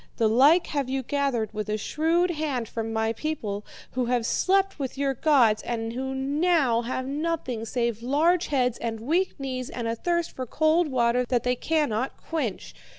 The like have you gathered with a shrewd hand from my people, who have slept with your gods and who now have nothing save large heads, and weak knees, and a thirst for cold water that they cannot quench.